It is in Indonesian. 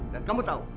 dan kamu tau